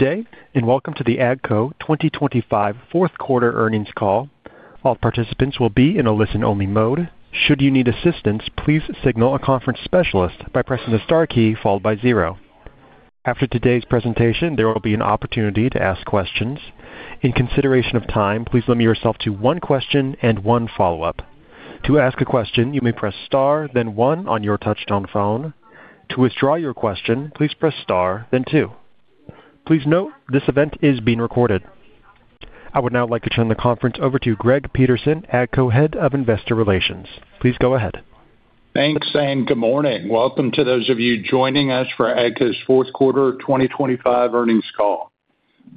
Good day, and welcome to the AGCO 2025 fourth quarter earnings call. All participants will be in a listen-only mode. Should you need assistance, please signal a conference specialist by pressing the star key followed by zero. After today's presentation, there will be an opportunity to ask questions. In consideration of time, please limit yourself to one question and one follow-up. To ask a question, you may press star, then one on your touchtone phone. To withdraw your question, please press star, then two. Please note, this event is being recorded. I would now like to turn the conference over to Greg Peterson, AGCO Head of Investor Relations. Please go ahead. Thanks, and good morning. Welcome to those of you joining us for AGCO's fourth quarter 2025 earnings call.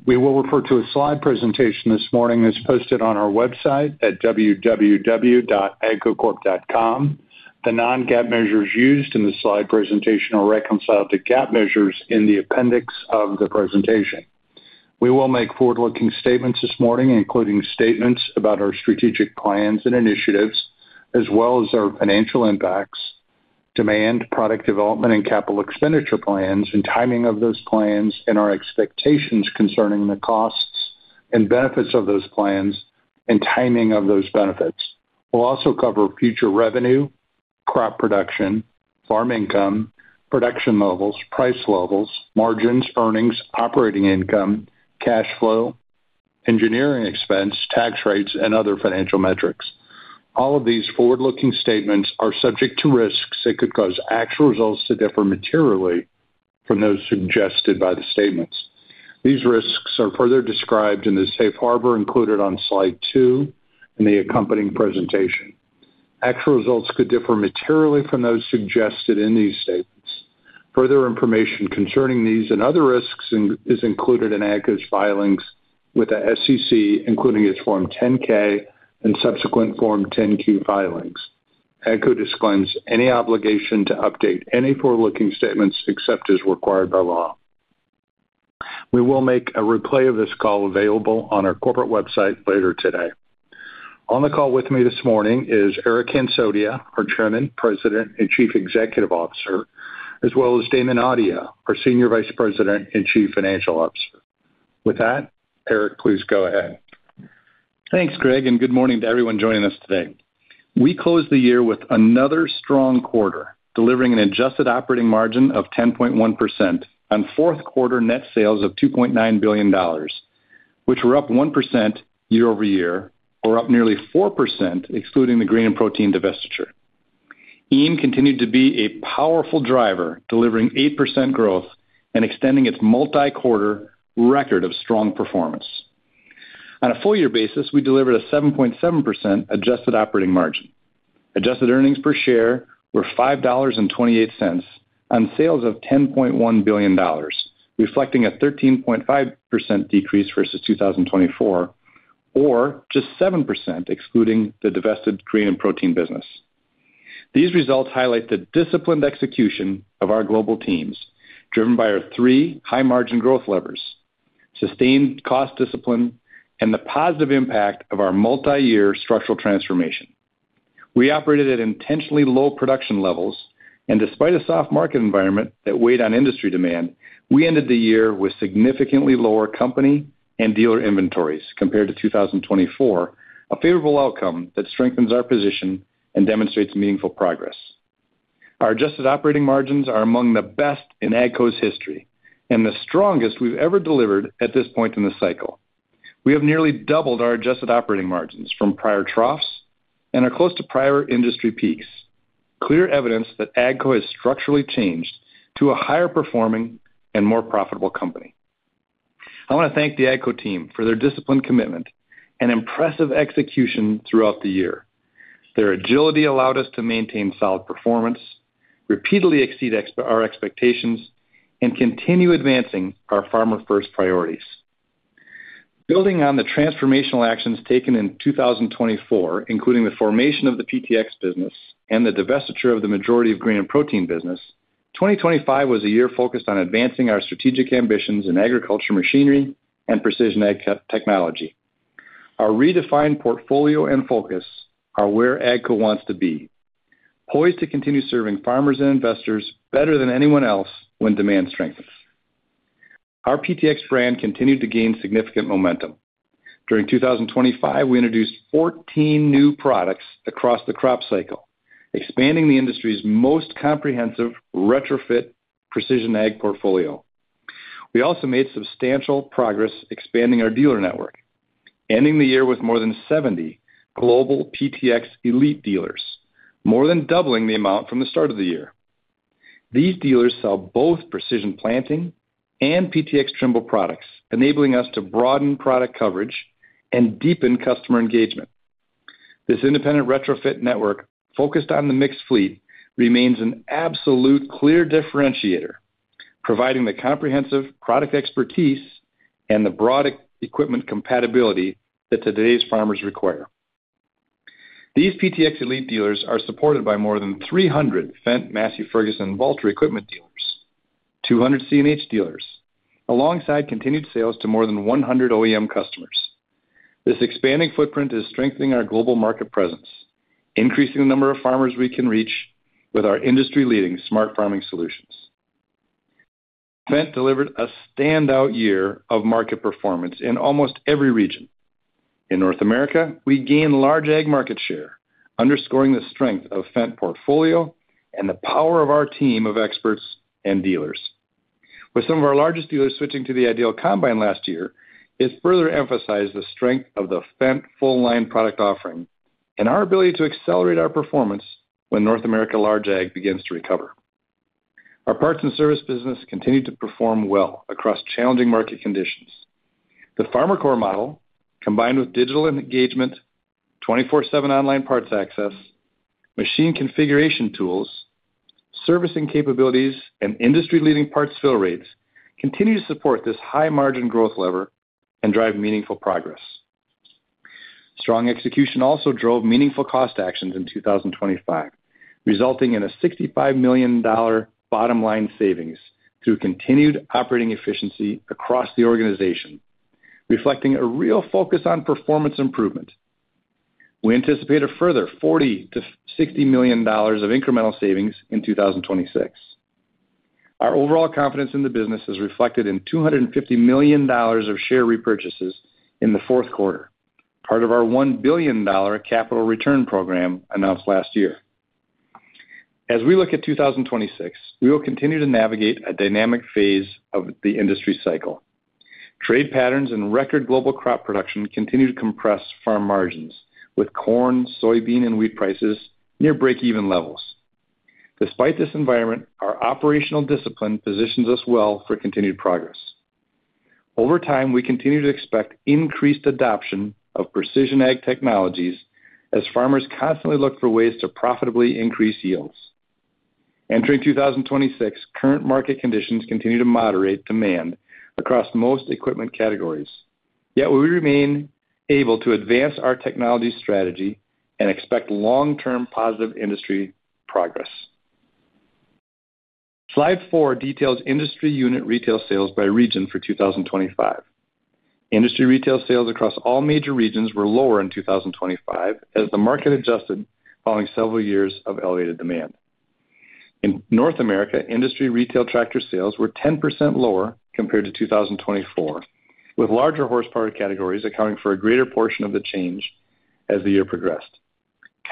We will refer to a slide presentation this morning that's posted on our website at www.agcocorp.com. The non-GAAP measures used in the slide presentation are reconciled to GAAP measures in the appendix of the presentation. We will make forward-looking statements this morning, including statements about our strategic plans and initiatives, as well as our financial impacts, demand, product development, and capital expenditure plans, and timing of those plans, and our expectations concerning the costs and benefits of those plans and timing of those benefits. We'll also cover future revenue, crop production, farm income, production levels, price levels, margins, earnings, operating income, cash flow, engineering expense, tax rates, and other financial metrics. All of these forward-looking statements are subject to risks that could cause actual results to differ materially from those suggested by the statements. These risks are further described in the safe harbor included on slide two in the accompanying presentation. Actual results could differ materially from those suggested in these statements. Further information concerning these and other risks is included in AGCO's filings with the SEC, including its Form 10-K and subsequent Form 10-Q filings. AGCO disclaims any obligation to update any forward-looking statements except as required by law. We will make a replay of this call available on our corporate website later today. On the call with me this morning is Eric Hansotia, our Chairman, President, and Chief Executive Officer, as well as Damon Audia, our Senior Vice President and Chief Financial Officer. With that, Eric, please go ahead. Thanks, Greg, and good morning to everyone joining us today. We closed the year with another strong quarter, delivering an adjusted operating margin of 10.1% on fourth quarter net sales of $2.9 billion, which were up 1% year-over-year or up nearly 4%, excluding the Grain and Protein divestiture. EAM continued to be a powerful driver, delivering 8% growth and extending its multi-quarter record of strong performance. On a full year basis, we delivered a 7.7% adjusted operating margin. Adjusted earnings per share were $5.28 on sales of $10.1 billion, reflecting a 13.5% decrease versus 2024, or just 7%, excluding the divested Grain and Protein business. These results highlight the disciplined execution of our global teams, driven by our three high-margin growth levers, sustained cost discipline, and the positive impact of our multiyear structural transformation. We operated at intentionally low production levels, and despite a soft market environment that weighed on industry demand, we ended the year with significantly lower company and dealer inventories compared to 2024, a favorable outcome that strengthens our position and demonstrates meaningful progress. Our adjusted operating margins are among the best in AGCO's history and the strongest we've ever delivered at this point in the cycle. We have nearly doubled our adjusted operating margins from prior troughs and are close to prior industry peaks, clear evidence that AGCO has structurally changed to a higher-performing and more profitable company. I want to thank the AGCO team for their disciplined commitment and impressive execution throughout the year. Their agility allowed us to maintain solid performance, repeatedly exceed our expectations, and continue advancing our farmer-first priorities. Building on the transformational actions taken in 2024, including the formation of the PTx business and the divestiture of the majority of Grain and Protein business, 2025 was a year focused on advancing our strategic ambitions in agriculture machinery and precision ag technology. Our redefined portfolio and focus are where AGCO wants to be, poised to continue serving farmers and investors better than anyone else when demand strengthens. Our PTx brand continued to gain significant momentum. During 2025, we introduced 14 new products across the crop cycle, expanding the industry's most comprehensive retrofit precision ag portfolio. We also made substantial progress expanding our dealer network, ending the year with more than 70 global PTx elite dealers, more than doubling the amount from the start of the year. These dealers sell both Precision Planting and PTx Trimble products, enabling us to broaden product coverage and deepen customer engagement. This independent retrofit network, focused on the mixed fleet, remains an absolute clear differentiator, providing the comprehensive product expertise and the broad equipment compatibility that today's farmers require. These PTx elite dealers are supported by more than 300 Fendt, Massey Ferguson, Valtra equipment dealers, 200 CNH dealers, alongside continued sales to more than 100 OEM customers.... This expanding footprint is strengthening our global market presence, increasing the number of farmers we can reach with our industry-leading smart farming solutions. Fendt delivered a standout year of market performance in almost every region. In North America, we gained large ag market share, underscoring the strength of Fendt portfolio and the power of our team of experts and dealers. With some of our largest dealers switching to the IDEAL combine last year, it's further emphasized the strength of the Fendt full line product offering and our ability to accelerate our performance when North America large ag begins to recover. Our parts and service business continued to perform well across challenging market conditions. The FarmerCore model, combined with digital engagement, 24/7 online parts access, machine configuration tools, servicing capabilities, and industry-leading parts fill rates, continue to support this high-margin growth lever and drive meaningful progress. Strong execution also drove meaningful cost actions in 2025, resulting in a $65 million bottom-line savings through continued operating efficiency across the organization, reflecting a real focus on performance improvement. We anticipate a further $40 million-$60 million of incremental savings in 2026. Our overall confidence in the business is reflected in $250 million of share repurchases in the fourth quarter, part of our $1 billion capital return program announced last year. As we look at 2026, we will continue to navigate a dynamic phase of the industry cycle. Trade patterns and record global crop production continue to compress farm margins, with corn, soybean, and wheat prices near breakeven levels. Despite this environment, our operational discipline positions us well for continued progress. Over time, we continue to expect increased adoption of precision ag technologies as farmers constantly look for ways to profitably increase yields. Entering 2026, current market conditions continue to moderate demand across most equipment categories, yet we remain able to advance our technology strategy and expect long-term positive industry progress. Slide four details industry unit retail sales by region for 2025. Industry retail sales across all major regions were lower in 2025 as the market adjusted following several years of elevated demand. In North America, industry retail tractor sales were 10% lower compared to 2024, with larger horsepower categories accounting for a greater portion of the change as the year progressed.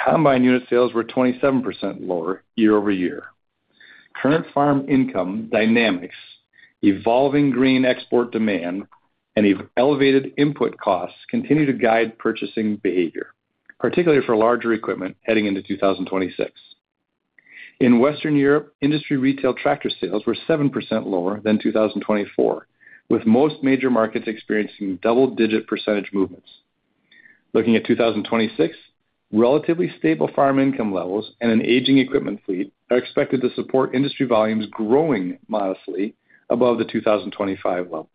Combine unit sales were 27% lower year-over-year. Current farm income dynamics, evolving grain export demand, and elevated input costs continue to guide purchasing behavior, particularly for larger equipment heading into 2026. In Western Europe, industry retail tractor sales were 7% lower than 2024, with most major markets experiencing double-digit percentage movements. Looking at 2026, relatively stable farm income levels and an aging equipment fleet are expected to support industry volumes growing modestly above the 2025 levels.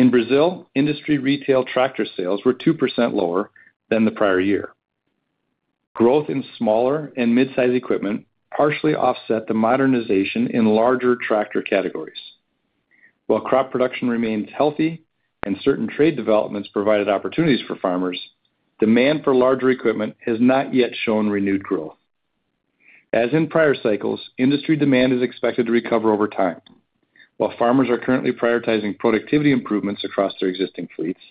In Brazil, industry retail tractor sales were 2% lower than the prior year. Growth in smaller and mid-size equipment partially offset the modernization in larger tractor categories. While crop production remains healthy and certain trade developments provided opportunities for farmers, demand for larger equipment has not yet shown renewed growth. As in prior cycles, industry demand is expected to recover over time. While farmers are currently prioritizing productivity improvements across their existing fleets,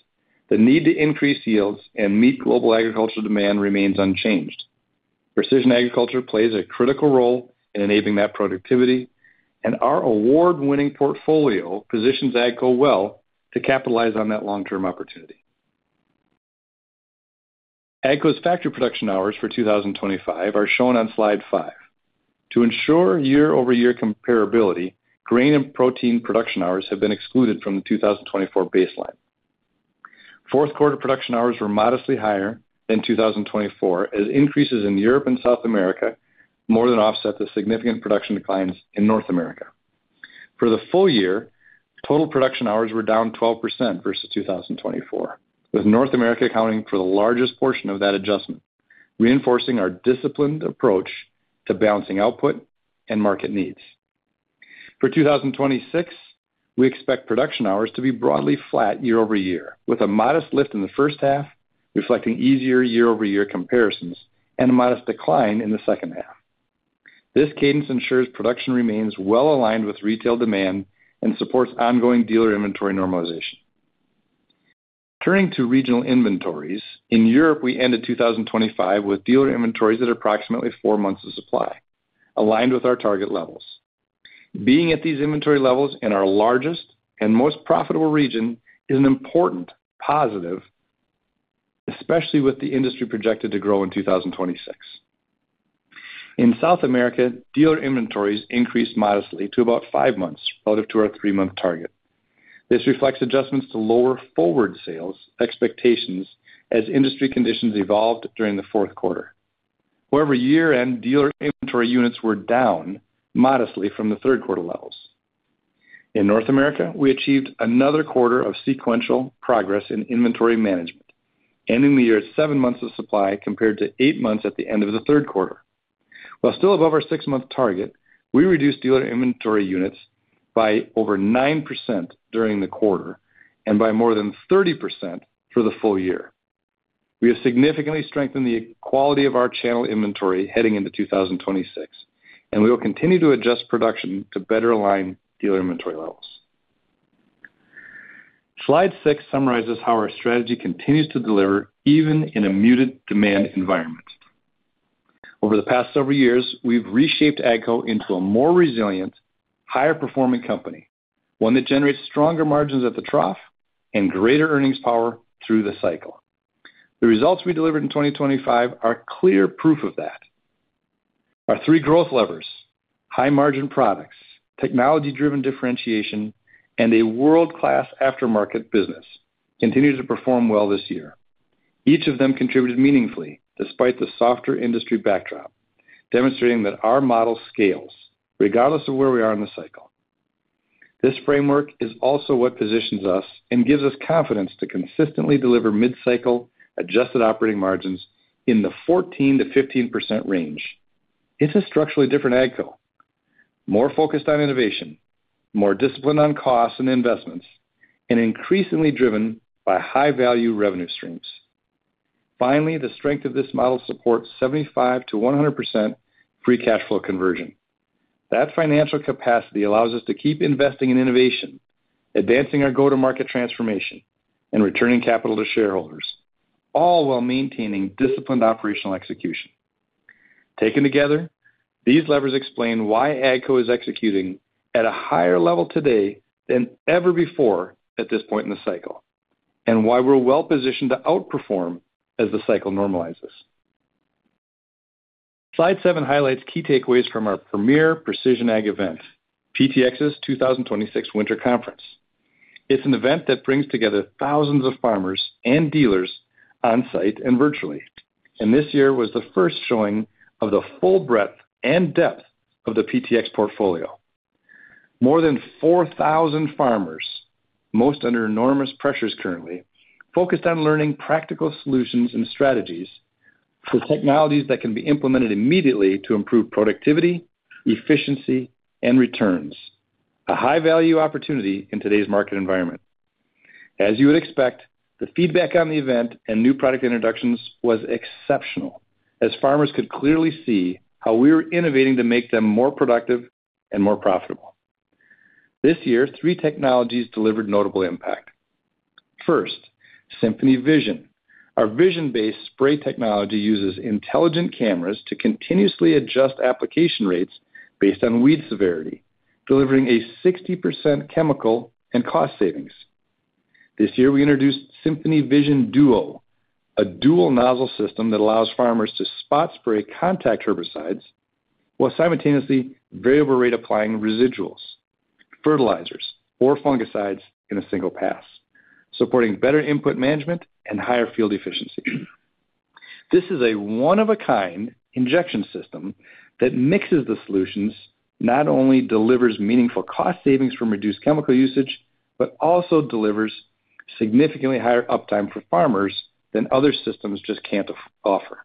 the need to increase yields and meet global agricultural demand remains unchanged. Precision agriculture plays a critical role in enabling that productivity, and our award-winning portfolio positions AGCO well to capitalize on that long-term opportunity. AGCO's factory production hours for 2025 are shown on Slide five. To ensure year-over-year comparability, Grain and Protein production hours have been excluded from the 2024 baseline. Fourth quarter production hours were modestly higher than 2024, as increases in Europe and South America more than offset the significant production declines in North America. For the full year, total production hours were down 12% versus 2024, with North America accounting for the largest portion of that adjustment, reinforcing our disciplined approach to balancing output and market needs. For 2026, we expect production hours to be broadly flat year-over-year, with a modest lift in the first half, reflecting easier year-over-year comparisons and a modest decline in the second half. This cadence ensures production remains well aligned with retail demand and supports ongoing dealer inventory normalization. Turning to regional inventories, in Europe, we ended 2025 with dealer inventories at approximately four months of supply, aligned with our target levels. Being at these inventory levels in our largest and most profitable region is an important positive, especially with the industry projected to grow in 2026. In South America, dealer inventories increased modestly to about five months out of to our three month target. This reflects adjustments to lower forward sales expectations as industry conditions evolved during the fourth quarter. However, year-end dealer inventory units were down modestly from the third quarter levels. In North America, we achieved another quarter of sequential progress in inventory management, ending the year at seven months of supply, compared to eight months at the end of the third quarter. While still above our 6-month target, we reduced dealer inventory units by over 9% during the quarter and by more than 30% for the full year. We have significantly strengthened the quality of our channel inventory heading into 2026, and we will continue to adjust production to better align dealer inventory levels. Slide six summarizes how our strategy continues to deliver even in a muted demand environment. Over the past several years, we've reshaped AGCO into a more resilient, higher-performing company, one that generates stronger margins at the trough and greater earnings power through the cycle. The results we delivered in 2025 are clear proof of that. Our three growth levers, high-margin products, technology-driven differentiation, and a world-class aftermarket business, continue to perform well this year. Each of them contributed meaningfully despite the softer industry backdrop, demonstrating that our model scales regardless of where we are in the cycle. This framework is also what positions us and gives us confidence to consistently deliver mid-cycle adjusted operating margins in the 14%-15% range. It's a structurally different AGCO, more focused on innovation, more disciplined on costs and investments, and increasingly driven by high-value revenue streams. Finally, the strength of this model supports 75%-100% free cash flow conversion. That financial capacity allows us to keep investing in innovation, advancing our go-to-market transformation, and returning capital to shareholders, all while maintaining disciplined operational execution. Taken together, these levers explain why AGCO is executing at a higher level today than ever before at this point in the cycle, and why we're well-positioned to outperform as the cycle normalizes. Slide seven highlights key takeaways from our premier precision ag event, PTX's 2026 Winter Conference. It's an event that brings together thousands of farmers and dealers on-site and virtually, and this year was the first showing of the full breadth and depth of the PTx portfolio. More than 4,000 farmers, most under enormous pressures currently, focused on learning practical solutions and strategies for technologies that can be implemented immediately to improve productivity, efficiency, and returns, a high-value opportunity in today's market environment. As you would expect, the feedback on the event and new product introductions was exceptional, as farmers could clearly see how we were innovating to make them more productive and more profitable. This year, three technologies delivered notable impact. First, SymphonyVision. Our vision-based spray technology uses intelligent cameras to continuously adjust application rates based on weed severity, delivering a 60% chemical and cost savings. This year, we introduced SymphonyVision Duo, a dual-nozzle system that allows farmers to spot-spray contact herbicides while simultaneously variable rate applying residuals, fertilizers, or fungicides in a single pass, supporting better input management and higher field efficiency. This is a one-of-a-kind injection system that mixes the solutions, not only delivers meaningful cost savings from reduced chemical usage, but also delivers significantly higher uptime for farmers than other systems just can't offer.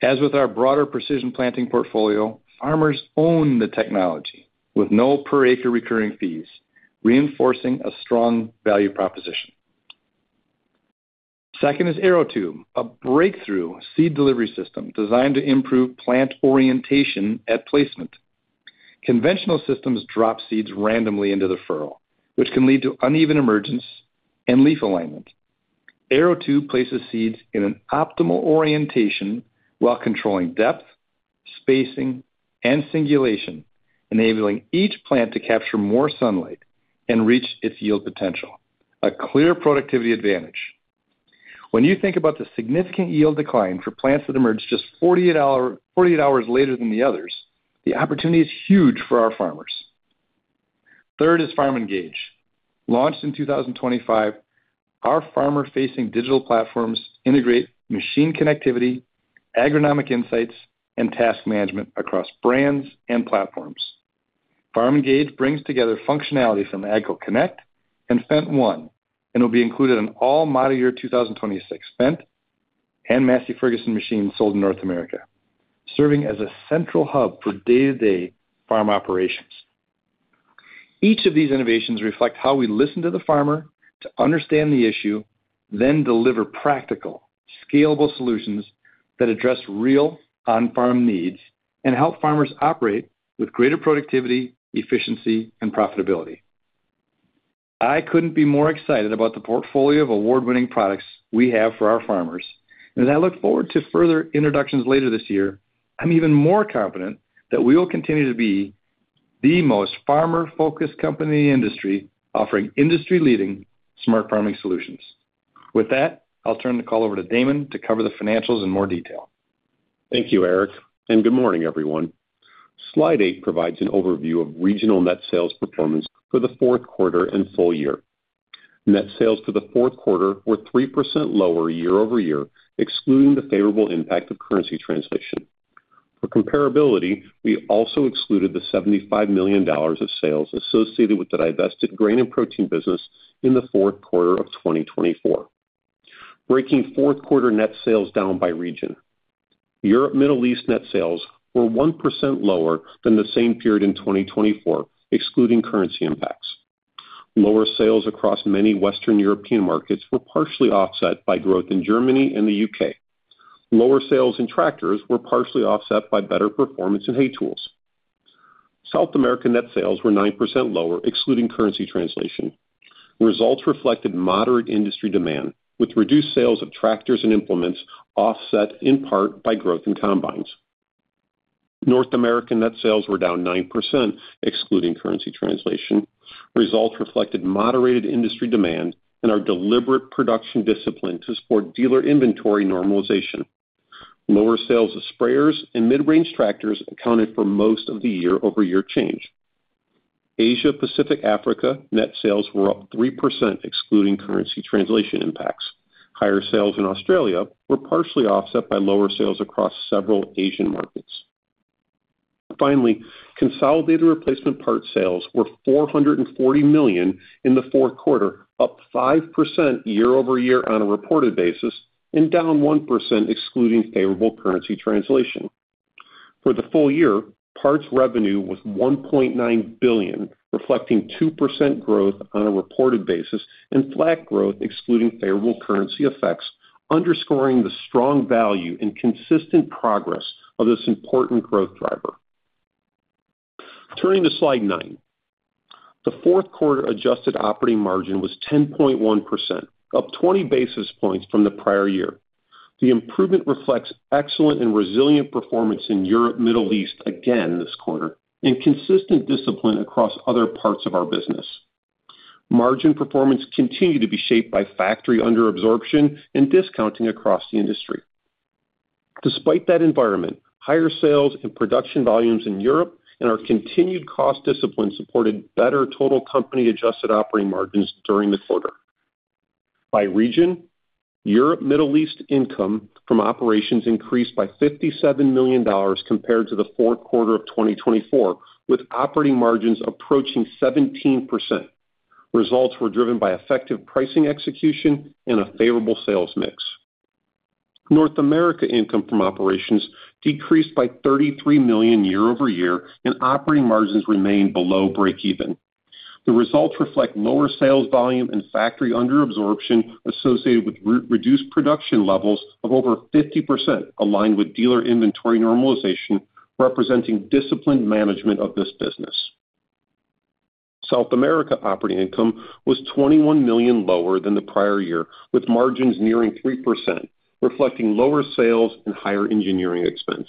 As with our broader Precision Planting portfolio, farmers own the technology with no per-acre recurring fees, reinforcing a strong value proposition. Second is ArrowTube, a breakthrough seed delivery system designed to improve plant orientation at placement. Conventional systems drop seeds randomly into the furrow, which can lead to uneven emergence and leaf alignment. ArrowTube places seeds in an optimal orientation while controlling depth, spacing, and singulation, enabling each plant to capture more sunlight and reach its yield potential, a clear productivity advantage. When you think about the significant yield decline for plants that emerge just 48 hours later than the others, the opportunity is huge for our farmers. Third is FarmENGAGE. Launched in 2025, our farmer-facing digital platforms integrate machine connectivity, agronomic insights, and task management across brands and platforms. FarmENGAGE brings together functionalities from AGCO Connect and FendtONE, and will be included in all model year 2026 Fendt and Massey Ferguson machines sold in North America, serving as a central hub for day-to-day farm operations. Each of these innovations reflect how we listen to the farmer to understand the issue, then deliver practical, scalable solutions that address real on-farm needs and help farmers operate with greater productivity, efficiency, and profitability. I couldn't be more excited about the portfolio of award-winning products we have for our farmers. As I look forward to further introductions later this year, I'm even more confident that we will continue to be the most farmer-focused company in the industry, offering industry-leading smart farming solutions. With that, I'll turn the call over to Damon to cover the financials in more detail. Thank you, Eric, and good morning, everyone. Slide eight provides an overview of regional net sales performance for the fourth quarter and full year. Net sales for the fourth quarter were 3% lower year-over-year, excluding the favorable impact of currency translation. For comparability, we also excluded the $75 million of sales associated with the divested Grain and Protein business in the fourth quarter of 2024.... Breaking fourth quarter net sales down by region. Europe, Middle East net sales were 1% lower than the same period in 2024, excluding currency impacts. Lower sales across many Western European markets were partially offset by growth in Germany and the U.K.. Lower sales in tractors were partially offset by better performance in hay tools. South America net sales were 9% lower, excluding currency translation. Results reflected moderate industry demand, with reduced sales of tractors and implements offset in part by growth in combines. North America net sales were down 9%, excluding currency translation. Results reflected moderated industry demand and our deliberate production discipline to support dealer inventory normalization. Lower sales of sprayers and mid-range tractors accounted for most of the year-over-year change. Asia Pacific Africa net sales were up 3%, excluding currency translation impacts. Higher sales in Australia were partially offset by lower sales across several Asian markets. Finally, consolidated replacement parts sales were $440 million in the fourth quarter, up 5% year-over-year on a reported basis, and down 1% excluding favorable currency translation. For the full year, parts revenue was $1.9 billion, reflecting 2% growth on a reported basis and flat growth excluding favorable currency effects, underscoring the strong value and consistent progress of this important growth driver. Turning to slide nine. The fourth quarter adjusted operating margin was 10.1%, up 20 basis points from the prior year. The improvement reflects excellent and resilient performance in Europe, Middle East again this quarter, and consistent discipline across other parts of our business. Margin performance continued to be shaped by factory under absorption and discounting across the industry. Despite that environment, higher sales and production volumes in Europe and our continued cost discipline supported better total company-adjusted operating margins during the quarter. By region, Europe, Middle East income from operations increased by $57 million compared to the fourth quarter of 2024, with operating margins approaching 17%. Results were driven by effective pricing execution and a favorable sales mix. North America income from operations decreased by $33 million year-over-year, and operating margins remained below breakeven. The results reflect lower sales volume and factory under absorption associated with re-reduced production levels of over 50%, aligned with dealer inventory normalization, representing disciplined management of this business. South America operating income was $21 million lower than the prior year, with margins nearing 3%, reflecting lower sales and higher engineering expense.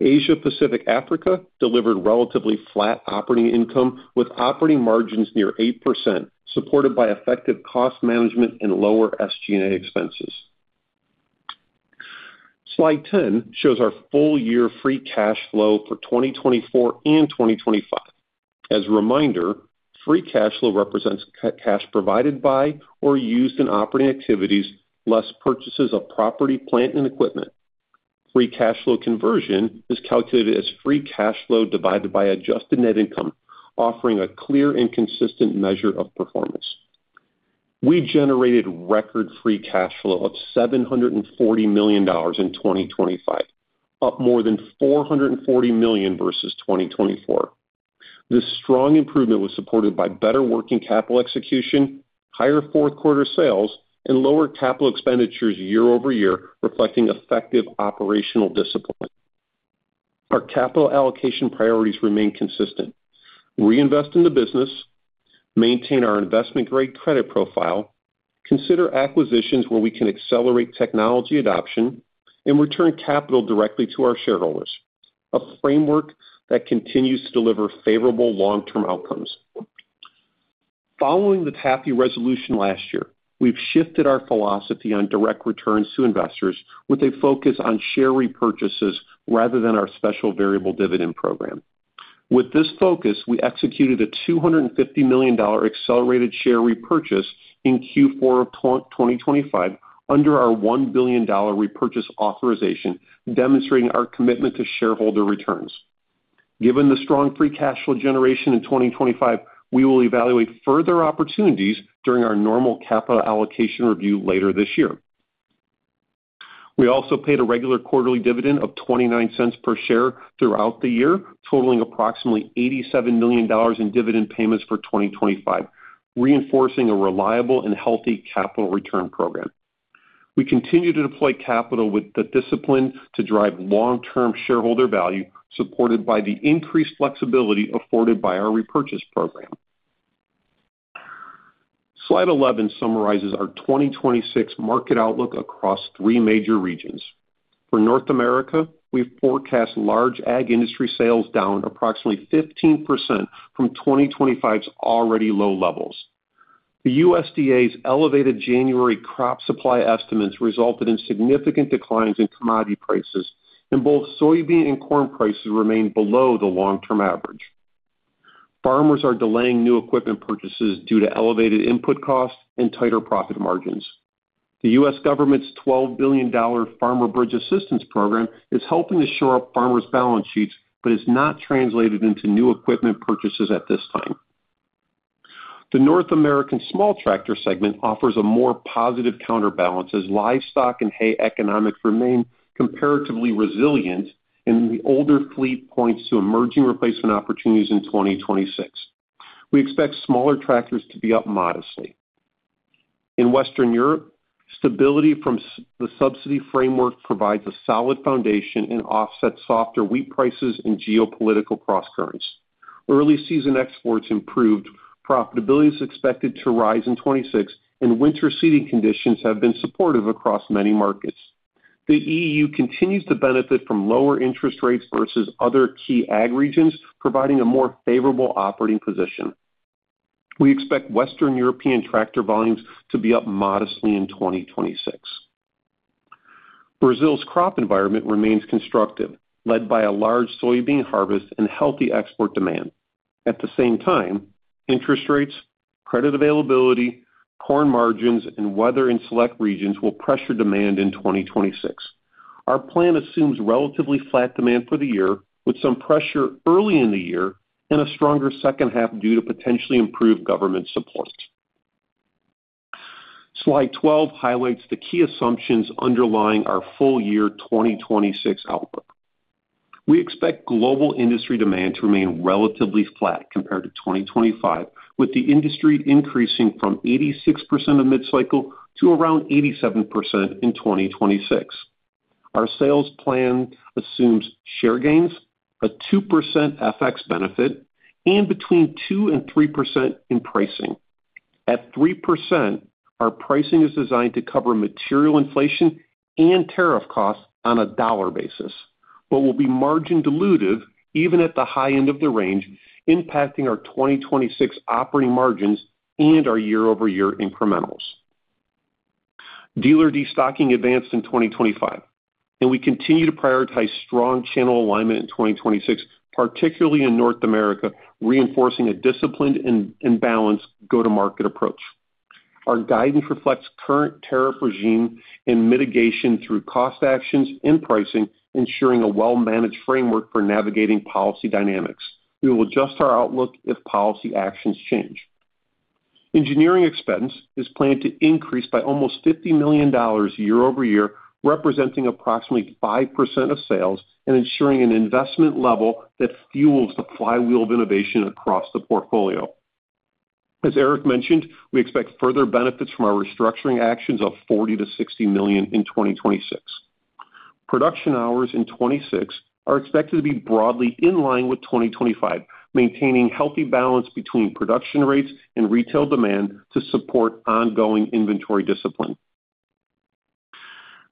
Asia Pacific Africa delivered relatively flat operating income, with operating margins near 8%, supported by effective cost management and lower SG&A expenses. Slide 10 shows our full year free cash flow for 2024 and 2025. As a reminder, free cash flow represents cash provided by or used in operating activities, less purchases of property, plant, and equipment. Free cash flow conversion is calculated as free cash flow divided by adjusted net income, offering a clear and consistent measure of performance. We generated record free cash flow of $740 million in 2025, up more than $440 million versus 2024. This strong improvement was supported by better working capital execution, higher fourth quarter sales, and lower capital expenditures year-over-year, reflecting effective operational discipline. Our capital allocation priorities remain consistent. Reinvest in the business, maintain our investment-grade credit profile, consider acquisitions where we can accelerate technology adoption, and return capital directly to our shareholders, a framework that continues to deliver favorable long-term outcomes. Following the TAFE resolution last year, we've shifted our philosophy on direct returns to investors with a focus on share repurchases rather than our special variable dividend program. With this focus, we executed a $250 million accelerated share repurchase in Q4 of 2025, under our $1 billion repurchase authorization, demonstrating our commitment to shareholder returns. Given the strong free cash flow generation in 2025, we will evaluate further opportunities during our normal capital allocation review later this year. We also paid a regular quarterly dividend of $0.29 per share throughout the year, totaling approximately $87 million in dividend payments for 2025, reinforcing a reliable and healthy capital return program. We continue to deploy capital with the discipline to drive long-term shareholder value, supported by the increased flexibility afforded by our repurchase program. Slide 11 summarizes our 2026 market outlook across three major regions. For North America, we forecast large ag industry sales down approximately 15% from 2025's already low levels. The USDA's elevated January crop supply estimates resulted in significant declines in commodity prices, and both soybean and corn prices remain below the long-term average. Farmers are delaying new equipment purchases due to elevated input costs and tighter profit margins. The U.S. government's $12 billion Farmer Bridge Assistance Program is helping to shore up farmers' balance sheets, but it's not translated into new equipment purchases at this time. The North American small tractor segment offers a more positive counterbalance as livestock and hay economics remain comparatively resilient, and the older fleet points to emerging replacement opportunities in 2026. We expect smaller tractors to be up modestly. In Western Europe, stability from the subsidy framework provides a solid foundation and offsets softer wheat prices and geopolitical crosscurrents. Early season exports improved, profitability is expected to rise in 2026, and winter seeding conditions have been supportive across many markets. The E.U. continues to benefit from lower interest rates versus other key ag regions, providing a more favorable operating position. We expect Western European tractor volumes to be up modestly in 2026. Brazil's crop environment remains constructive, led by a large soybean harvest and healthy export demand. At the same time, interest rates, credit availability, corn margins, and weather in select regions will pressure demand in 2026. Our plan assumes relatively flat demand for the year, with some pressure early in the year and a stronger second half due to potentially improved government support. Slide 12 highlights the key assumptions underlying our full year 2026 outlook. We expect global industry demand to remain relatively flat compared to 2025, with the industry increasing from 86% of mid-cycle to around 87% in 2026. Our sales plan assumes share gains, a 2% FX benefit, and between 2% and 3% in pricing. At 3%, our pricing is designed to cover material inflation and tariff costs on a dollar basis, but will be margin dilutive even at the high end of the range, impacting our 2026 operating margins and our year-over-year incrementals. Dealer destocking advanced in 2025, and we continue to prioritize strong channel alignment in 2026, particularly in North America, reinforcing a disciplined and balanced go-to-market approach. Our guidance reflects current tariff regime and mitigation through cost actions and pricing, ensuring a well-managed framework for navigating policy dynamics. We will adjust our outlook if policy actions change. Engineering expense is planned to increase by almost $50 million year-over-year, representing approximately 5% of sales and ensuring an investment level that fuels the flywheel of innovation across the portfolio. As Eric mentioned, we expect further benefits from our restructuring actions of $40 million-$60 million in 2026. Production hours in 2026 are expected to be broadly in line with 2025, maintaining healthy balance between production rates and retail demand to support ongoing inventory discipline.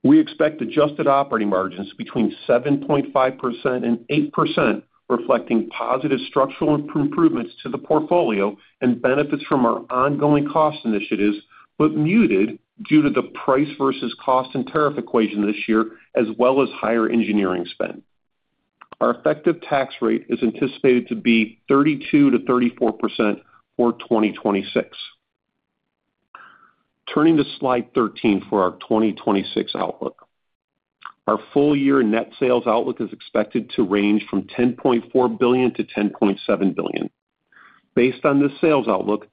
We expect adjusted operating margins between 7.5% and 8%, reflecting positive structural improvements to the portfolio and benefits from our ongoing cost initiatives, but muted due to the price versus cost and tariff equation this year, as well as higher engineering spend. Our effective tax rate is anticipated to be 32%-34% for 2026. Turning to slide 13 for our 2026 outlook. Our full year net sales outlook is expected to range from $10.4 billion-$10.7 billion. Based on this sales outlook,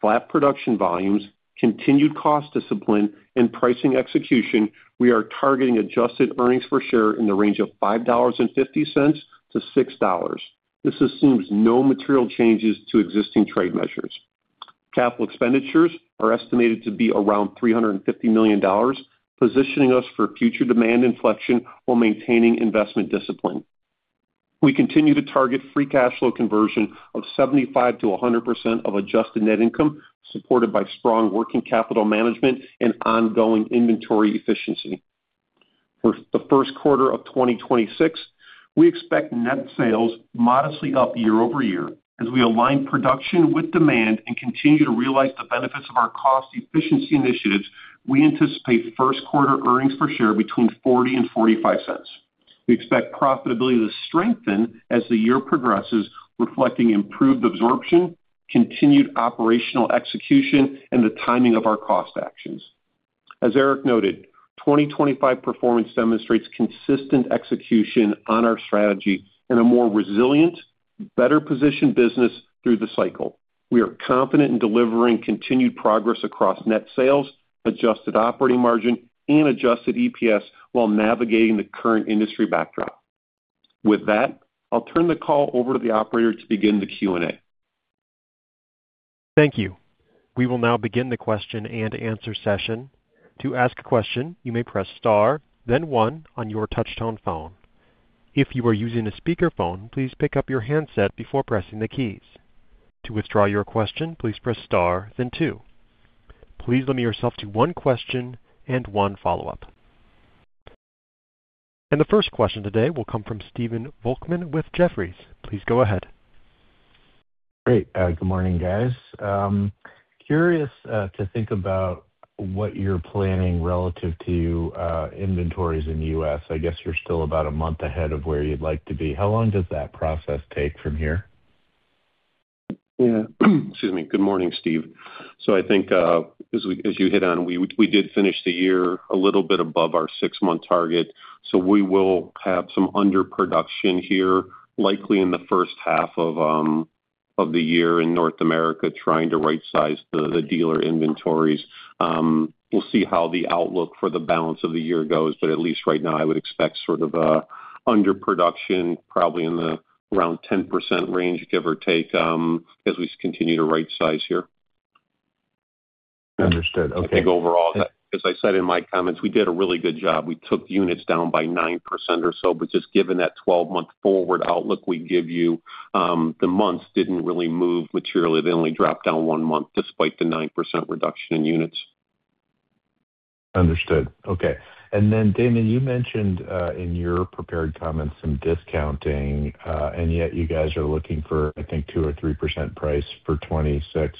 flat production volumes, continued cost discipline, and pricing execution, we are targeting Adjusted Earnings Per Share in the range of $5.50-$6.00. This assumes no material changes to existing trade measures. Capital expenditures are estimated to be around $350 million, positioning us for future demand inflection while maintaining investment discipline. We continue to target Free Cash Flow Conversion of 75%-100% of adjusted net income, supported by strong working capital management and ongoing inventory efficiency. For the first quarter of 2026, we expect net sales modestly up year-over year. As we align production with demand and continue to realize the benefits of our cost efficiency initiatives, we anticipate first quarter earnings per share between $0.40 and $0.45. We expect profitability to strengthen as the year progresses, reflecting improved absorption, continued operational execution, and the timing of our cost actions. As Eric noted, 2025 performance demonstrates consistent execution on our strategy and a more resilient, better-positioned business through the cycle. We are confident in delivering continued progress across net sales, adjusted operating margin, and adjusted EPS while navigating the current industry backdrop. With that, I'll turn the call over to the operator to begin the Q&A. Thank you. We will now begin the question-and-answer session. To ask a question, you may press star, then one on your touchtone phone. If you are using a speakerphone, please pick up your handset before pressing the keys. To withdraw your question, please press star then two. Please limit yourself to one question and one follow-up. The first question today will come from Stephen Volkmann with Jefferies. Please go ahead. Great. Good morning, guys. Curious to think about what you're planning relative to inventories in the U.S.. I guess you're still about a month ahead of where you'd like to be. How long does that process take from here? Yeah. Excuse me. Good morning, Steve. So I think, as we, as you hit on, we, we did finish the year a little bit above our six-month target, so we will have some underproduction here, likely in the first half of the year in North America, trying to rightsize the, the dealer inventories. We'll see how the outlook for the balance of the year goes, but at least right now, I would expect sort of a underproduction, probably in the around 10% range, give or take, as we continue to rightsize here. Understood. Okay. I think overall, as I said in my comments, we did a really good job. We took units down by 9% or so, but just given that 12-month forward outlook we give you, the months didn't really move materially. They only dropped down one month despite the 9% reduction in units. Understood. Okay. And then, Damon, you mentioned in your prepared comments, some discounting, and yet you guys are looking for, I think, 2%-3% price for 2026.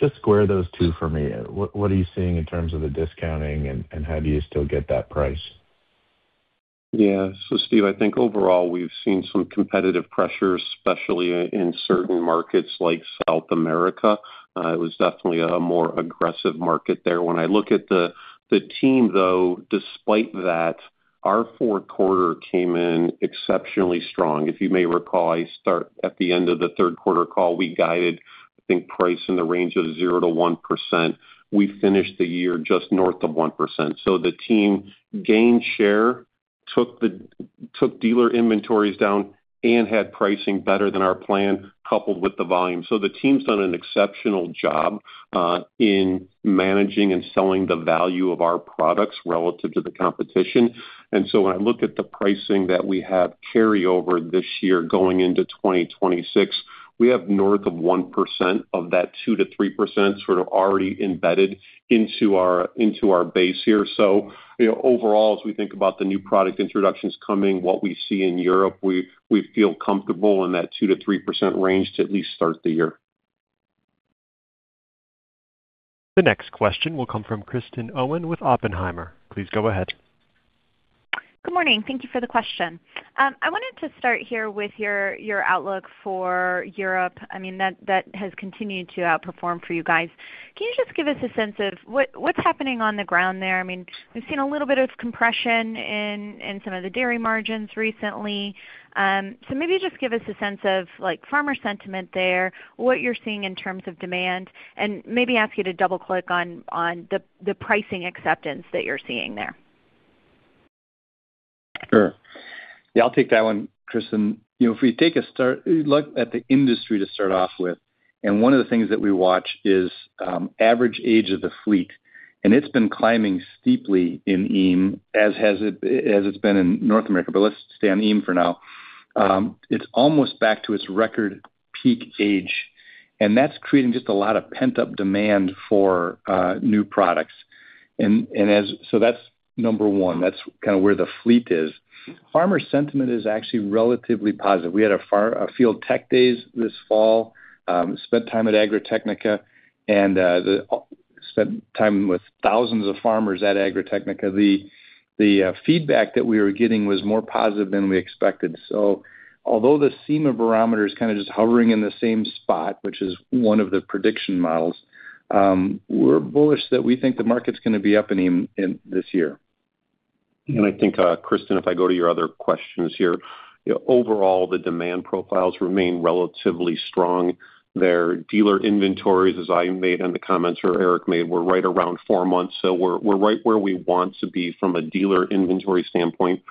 Just square those two for me. What, what are you seeing in terms of the discounting, and how do you still get that price? Yeah. So, Steve, I think overall, we've seen some competitive pressures, especially in certain markets like South America. It was definitely a more aggressive market there. When I look at the team, though, despite that, our fourth quarter came in exceptionally strong. If you may recall, I start at the end of the third quarter call, we guided, I think, price in the range of 0%-1%. We finished the year just north of 1%. So the team gained share, took dealer inventories down, and had pricing better than our plan, coupled with the volume. So the team's done an exceptional job in managing and selling the value of our products relative to the competition. And so when I look at the pricing that we have carry over this year going into 2026, we have north of 1% of that 2%-3% sort of already embedded into our, into our base here. So, you know, overall, as we think about the new product introductions coming, what we see in Europe, we, we feel comfortable in that 2%-3% range to at least start the year. The next question will come from Kristen Owen with Oppenheimer. Please go ahead. Good morning. Thank you for the question. I wanted to start here with your, your outlook for Europe. I mean, that, that has continued to outperform for you guys. Can you just give us a sense of what, what's happening on the ground there? I mean, we've seen a little bit of compression in, in some of the dairy margins recently. So maybe just give us a sense of, like, farmer sentiment there, what you're seeing in terms of demand, and maybe ask you to double-click on, on the, the pricing acceptance that you're seeing there. Sure. Yeah, I'll take that one, Kristen. You know, if we take a start, look at the industry to start off with, and one of the things that we watch is average age of the fleet, and it's been climbing steeply in EME, as it's been in North America, but let's stay on EME for now. It's almost back to its record peak age, and that's creating just a lot of pent-up demand for new products. So that's number one. That's kinda where the fleet is. Farmer sentiment is actually relatively positive. We had field tech days this fall, spent time at Agritechnica, and spent time with thousands of farmers at Agritechnica. The feedback that we were getting was more positive than we expected. Although the CEMA barometer is kinda just hovering in the same spot, which is one of the prediction models, we're bullish that we think the market's gonna be up in EME in this year. I think, Kristen, if I go to your other questions here, you know, overall, the demand profiles remain relatively strong. Their dealer inventories, as I made in the comments or Eric made, were right around four months. So we're, we're right where we want to be from a dealer inventory standpoint.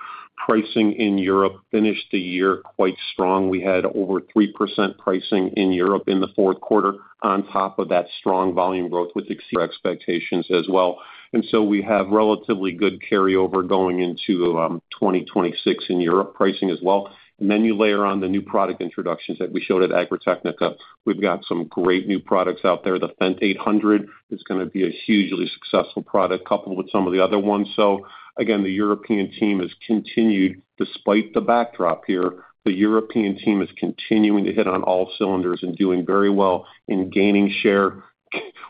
Pricing in Europe finished the year quite strong. We had over 3% pricing in Europe in the fourth quarter on top of that strong volume growth, which exceeded our expectations as well. And so we have relatively good carryover going into 2026 in Europe, pricing as well. And then you layer on the new product introductions that we showed at Agritechnica. We've got some great new products out there. The Fendt 800 is gonna be a hugely successful product, coupled with some of the other ones. So again, the European team has continued... Despite the backdrop here, the European team is continuing to hit on all cylinders and doing very well in gaining share,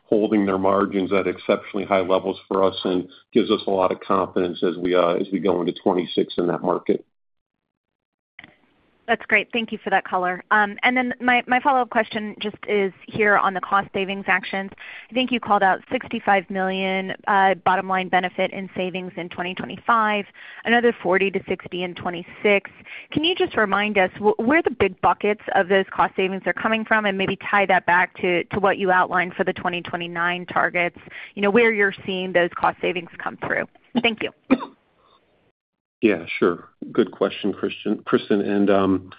holding their margins at exceptionally high levels for us, and gives us a lot of confidence as we, as we go into 2026 in that market. That's great. Thank you for that color. And then my, my follow-up question just is here on the cost savings actions. I think you called out $65 million bottom line benefit in savings in 2025, another 40-60 in 2026. Can you just remind us where the big buckets of those cost savings are coming from, and maybe tie that back to what you outlined for the 2029 targets, you know, where you're seeing those cost savings come through? Thank you. Yeah, sure. Good question, Kristen. And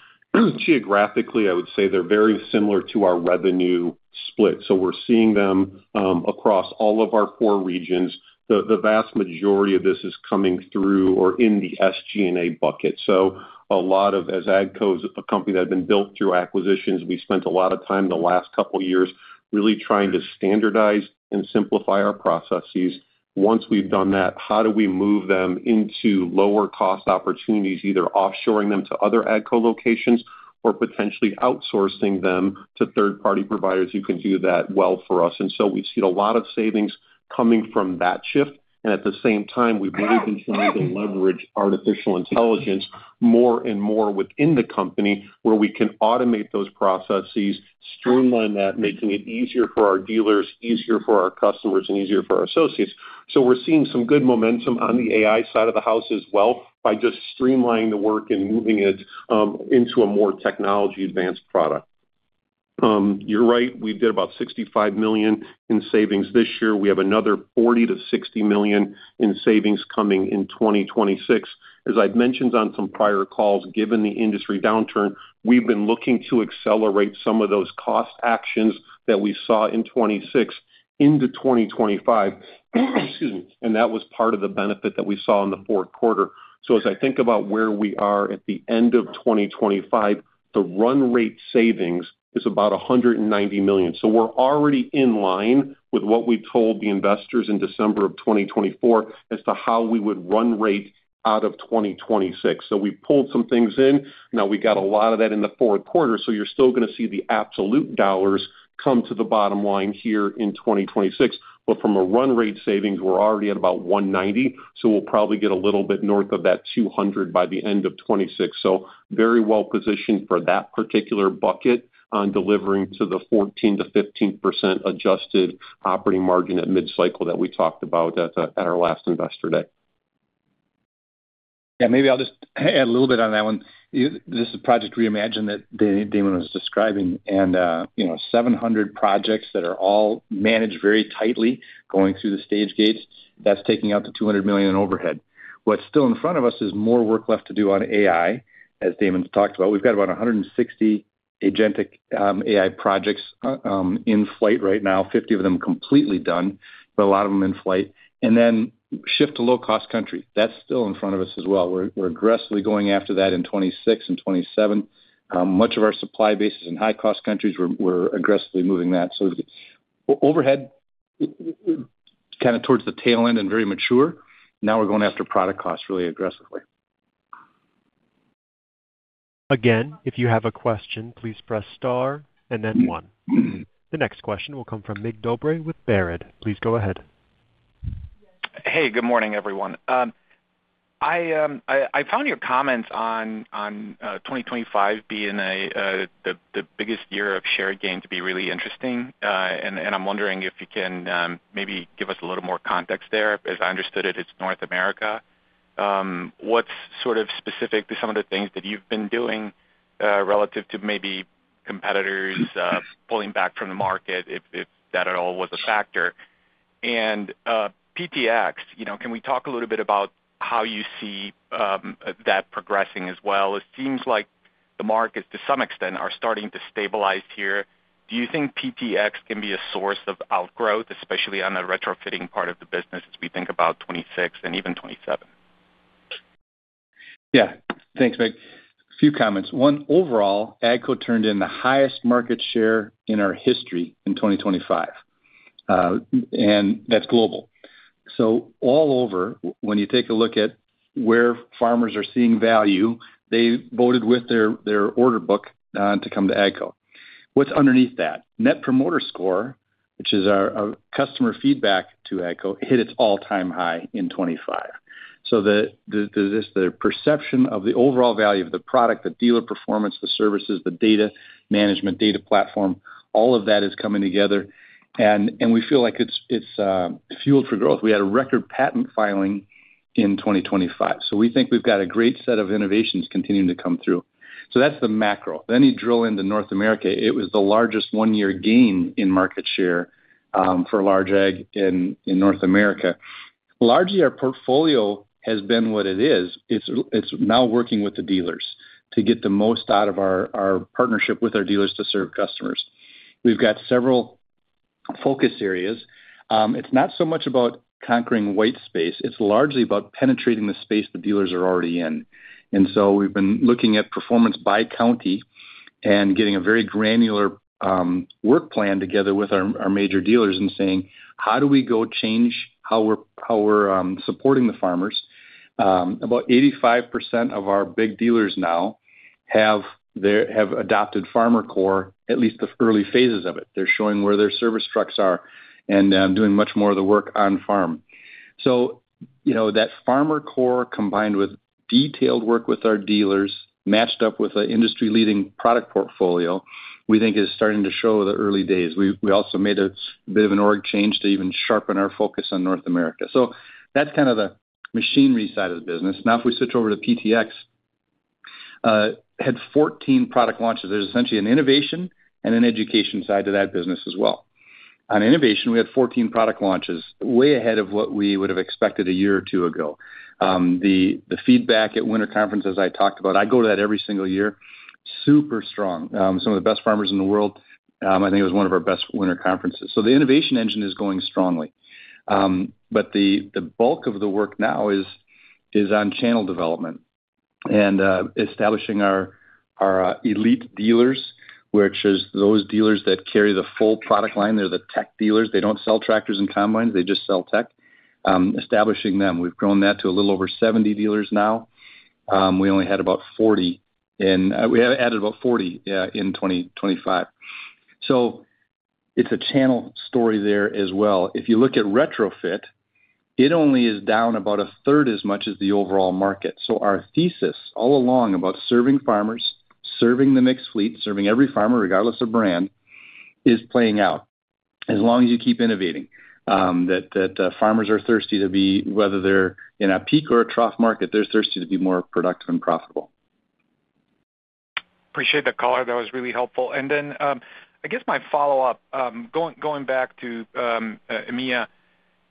geographically, I would say they're very similar to our revenue split. So we're seeing them across all of our core regions. The vast majority of this is coming through or in the SG&A bucket. So AGCO's a company that had been built through acquisitions, we spent a lot of time the last couple of years really trying to standardize and simplify our processes. Once we've done that, how do we move them into lower cost opportunities, either offshoring them to other AGCO locations or potentially outsourcing them to third-party providers who can do that well for us? And so we've seen a lot of savings... Coming from that shift, and at the same time, we've really been trying to leverage artificial intelligence more and more within the company, where we can automate those processes, streamline that, making it easier for our dealers, easier for our customers, and easier for our associates. So we're seeing some good momentum on the AI side of the house as well by just streamlining the work and moving it into a more technology-advanced product. You're right, we did about $65 million in savings this year. We have another $40 million-$60 million in savings coming in 2026. As I've mentioned on some prior calls, given the industry downturn, we've been looking to accelerate some of those cost actions that we saw in 2026 into 2025. Excuse me. That was part of the benefit that we saw in the fourth quarter. So as I think about where we are at the end of 2025, the run rate savings is about $190 million. So we're already in line with what we told the investors in December of 2024 as to how we would run rate out of 2026. So we pulled some things in. Now, we got a lot of that in the fourth quarter, so you're still gonna see the absolute dollars come to the bottom line here in 2026. But from a run rate savings, we're already at about $190 million, so we'll probably get a little bit north of that $200 million by the end of 2026. So very well positioned for that particular bucket on delivering to the 14%-15% adjusted operating margin at mid-cycle that we talked about at our last Investor Day. Yeah, maybe I'll just add a little bit on that one. This is Project Reimagine that Damon was describing, and you know, 700 projects that are all managed very tightly, going through the stage gates, that's taking out the $200 million in overhead. What's still in front of us is more work left to do on AI, as Damon's talked about. We've got about 160 agentic AI projects in flight right now, 50 of them completely done, but a lot of them in flight. And then shift to low-cost country. That's still in front of us as well. We're aggressively going after that in 2026 and 2027. Much of our supply base is in high-cost countries. We're aggressively moving that. So overhead, well, kind of towards the tail end and very mature. Now we're going after product costs really aggressively. Again, if you have a question, please press star and then one. The next question will come from Mircea Dobre with Baird. Please go ahead. Hey, good morning, everyone. I found your comments on 2025 being the biggest year of share gain to be really interesting, and I'm wondering if you can maybe give us a little more context there. As I understood it, it's North America. What's sort of specific to some of the things that you've been doing relative to maybe competitors pulling back from the market, if that at all was a factor? And PTx, you know, can we talk a little bit about how you see that progressing as well? It seems like the markets, to some extent, are starting to stabilize here. Do you think PTx can be a source of outgrowth, especially on the retrofitting part of the business, as we think about 2026 and even 2027? Yeah. Thanks, Mircea. A few comments. One, overall, AGCO turned in the highest market share in our history in 2025, and that's global. So all over, when you take a look at where farmers are seeing value, they voted with their order book to come to AGCO. What's underneath that? Net Promoter Score, which is our customer feedback to AGCO, hit its all-time high in 2025. So, just the perception of the overall value of the product, the dealer performance, the services, the data management, data platform, all of that is coming together, and we feel like it's fueled for growth. We had a record patent filing in 2025, so we think we've got a great set of innovations continuing to come through. So that's the macro. Then you drill into North America, it was the largest one-year gain in market share for large ag in North America. Largely, our portfolio has been what it is. It's now working with the dealers to get the most out of our partnership with our dealers to serve customers. We've got several focus areas. It's not so much about conquering white space, it's largely about penetrating the space the dealers are already in. And so we've been looking at performance by county and getting a very granular work plan together with our major dealers and saying: How do we change how we're supporting the farmers? About 85% of our big dealers now have adopted FarmerCore, at least the early phases of it. They're showing where their service trucks are and doing much more of the work on farm. So, you know, that FarmerCore, combined with detailed work with our dealers, matched up with an industry-leading product portfolio, we think is starting to show the early days. We also made a bit of an org change to even sharpen our focus on North America. So that's kind of the machinery side of the business. Now, if we switch over to PTx, had 14 product launches. There's essentially an innovation and an education side to that business as well. On innovation, we had 14 product launches, way ahead of what we would have expected a year or two ago. The feedback at winter conference, as I talked about, I go to that every single year, super strong. Some of the best farmers in the world. I think it was one of our best winter conferences. So the innovation engine is going strongly. But the bulk of the work now is on channel development and establishing our elite dealers, which is those dealers that carry the full product line. They're the tech dealers. They don't sell tractors and combines, they just sell tech. Establishing them, we've grown that to a little over 70 dealers now. We only had about 40. And we have added about 40 in 2025. So it's a channel story there as well. If you look at retrofit, it only is down about a third as much as the overall market. So our thesis all along about serving farmers, serving the mixed fleet, serving every farmer, regardless of brand, is playing out. As long as you keep innovating, farmers are thirsty to be, whether they're in a peak or a trough market, they're thirsty to be more productive and profitable. Appreciate the color. That was really helpful. And then, I guess my follow-up, going, going back to, EMEA,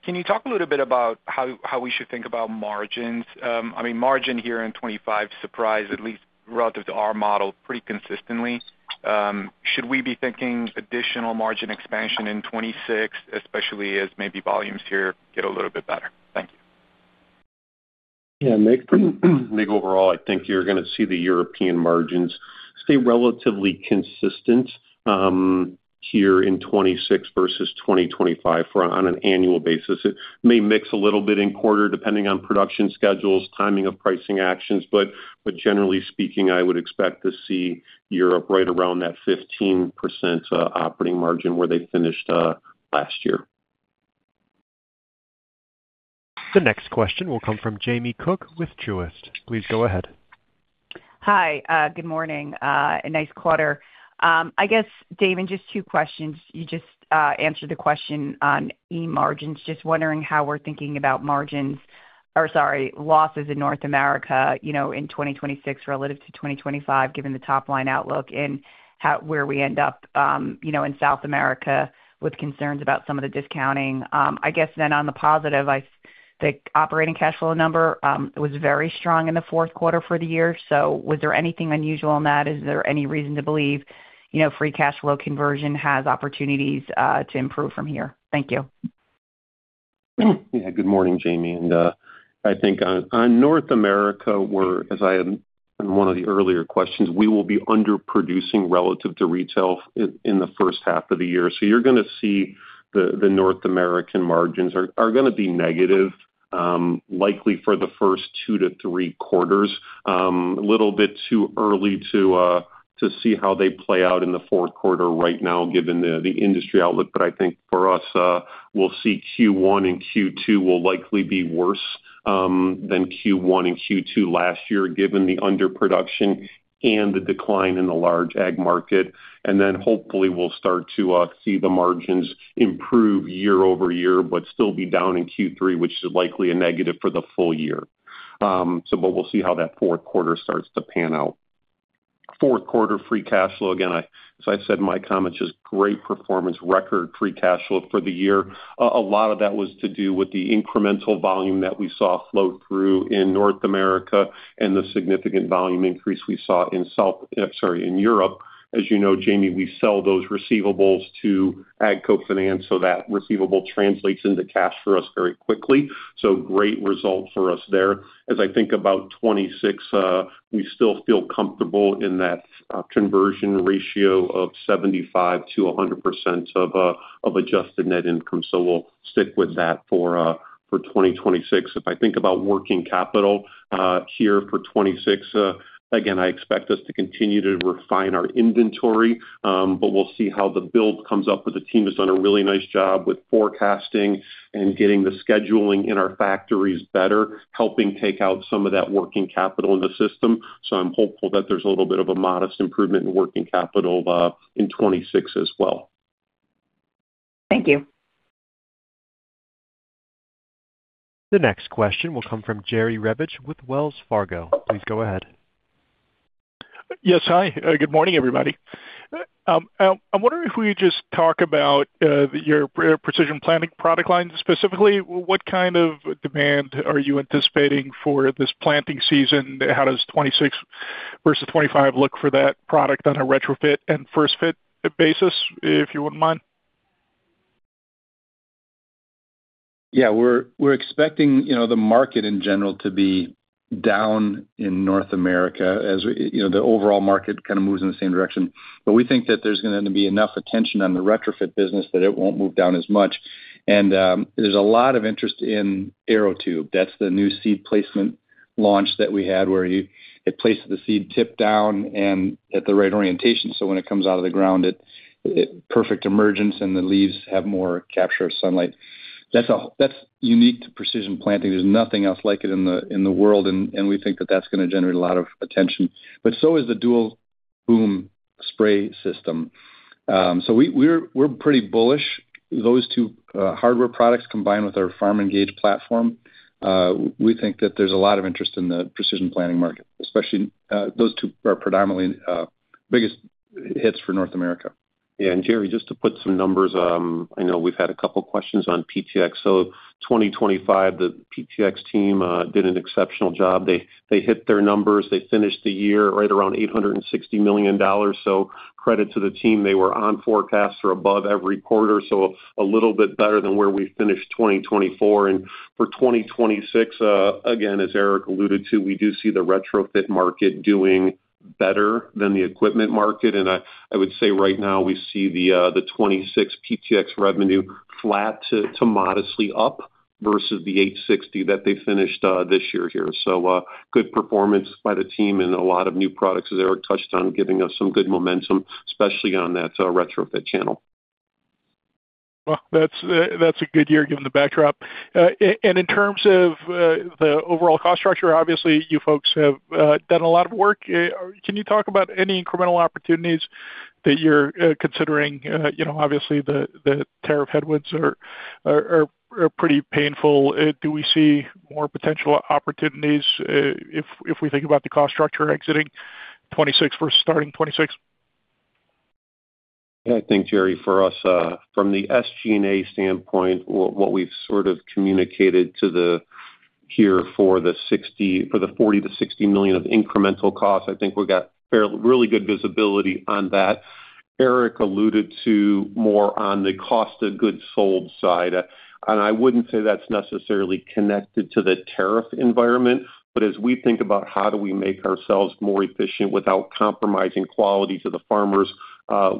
can you talk a little bit about how, how we should think about margins? I mean, margin here in 2025 surprised, at least relative to our model, pretty consistently. Should we be thinking additional margin expansion in 2026, especially as maybe volumes here get a little bit better? Thank you. Yeah, Mircea, Mircea, overall, I think you're going to see the European margins stay relatively consistent here in 2026 versus 2025 for on an annual basis. It may mix a little bit in quarter, depending on production schedules, timing of pricing actions, but, but generally speaking, I would expect to see Europe right around that 15% operating margin where they finished last year. The next question will come from Jamie Cook with Truist. Please go ahead. Hi, good morning. A nice quarter. I guess, Damon, just two questions. You just answered the question on E margins. Just wondering how we're thinking about margins, or sorry, losses in North America, you know, in 2026 relative to 2025, given the top-line outlook and how, where we end up, you know, in South America, with concerns about some of the discounting. I guess then on the positive, the operating cash flow number was very strong in the fourth quarter for the year. So was there anything unusual in that? Is there any reason to believe, you know, free cash flow conversion has opportunities to improve from here? Thank you. Yeah, good morning, Jamie, and I think on North America, we're. In one of the earlier questions, we will be underproducing relative to retail in the first half of the year. So you're going to see the North American margins are going to be negative, likely for the first two to three quarters. A little bit too early to see how they play out in the fourth quarter right now, given the industry outlook. But I think for us, we'll see Q1 and Q2 will likely be worse than Q1 and Q2 last year, given the underproduction and the decline in the large ag market. And then, hopefully, we'll start to see the margins improve year-over-year, but still be down in Q3, which is likely a negative for the full year. But we'll see how that fourth quarter starts to pan out. Fourth quarter free cash flow, again, as I said in my comments, just great performance, record free cash flow for the year. A lot of that was to do with the incremental volume that we saw flow through in North America and the significant volume increase we saw in South, sorry, in Europe. As you know, Jamie, we sell those receivables to AGCO Finance, so that receivable translates into cash for us very quickly. So great result for us there. As I think about 2026, we still feel comfortable in that conversion ratio of 75%-100% of adjusted net income, so we'll stick with that for 2026. If I think about working capital, here for 2026, again, I expect us to continue to refine our inventory, but we'll see how the build comes up with. The team has done a really nice job with forecasting and getting the scheduling in our factories better, helping take out some of that working capital in the system. So I'm hopeful that there's a little bit of a modest improvement in working capital, in 2026 as well. Thank you. The next question will come from Jerry Revich with Wells Fargo. Please go ahead. Yes. Hi. Good morning, everybody. I'm wondering if we just talk about your Precision Planting product line, specifically, what kind of demand are you anticipating for this planting season? How does 2026 versus 2025 look for that product on a retrofit and first fit basis, if you wouldn't mind? Yeah, we're expecting, you know, the market in general to be down in North America, as, you know, the overall market kind of moves in the same direction. But we think that there's going to be enough attention on the retrofit business that it won't move down as much. And there's a lot of interest in ArrowTube. That's the new seed placement launch that we had, where you, it places the seed tip down and at the right orientation, so when it comes out of the ground, it, it, perfect emergence, and the leaves have more capture of sunlight. That's a-- That's unique to Precision Planting. There's nothing else like it in the, in the world, and, and we think that that's going to generate a lot of attention. But so is the dual boom spray system. So we're pretty bullish. Those two hardware products, combined with our FarmENGAGE platform, we think that there's a lot of interest in the precision planting market, especially, those two are predominantly biggest hits for North America. Yeah, and Jerry, just to put some numbers, I know we've had a couple of questions on PTx. So 2025, the PTx team did an exceptional job. They, they hit their numbers. They finished the year right around $860 million, so credit to the team. They were on forecast or above every quarter, so a little bit better than where we finished 2024. And for 2026, again, as Eric alluded to, we do see the retrofit market doing better than the equipment market. And I, I would say right now we see the, the 2026 PTx revenue flat to, to modestly up versus the $860 that they finished, this year here. Good performance by the team and a lot of new products, as Eric touched on, giving us some good momentum, especially on that retrofit channel. ... Well, that's a good year, given the backdrop. And in terms of the overall cost structure, obviously, you folks have done a lot of work. Can you talk about any incremental opportunities that you're considering? You know, obviously, the tariff headwinds are pretty painful. Do we see more potential opportunities, if we think about the cost structure exiting 2026 versus starting 2026? Yeah, I think, Jerry, for us, from the SG&A standpoint, what we've sort of communicated to you here for the $40 million-$60 million of incremental costs, I think we've got really good visibility on that. Eric alluded to more on the cost of goods sold side, and I wouldn't say that's necessarily connected to the tariff environment, but as we think about how we make ourselves more efficient without compromising quality to the farmers,